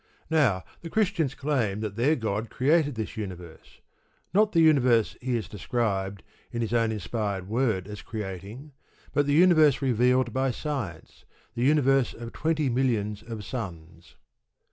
Now, the Christians claim that their God created this universe not the universe He is described, in His own inspired word, as creating, but the universe revealed by science; the universe of twenty millions of suns.